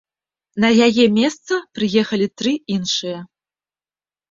На яе месца прыехалі тры іншыя.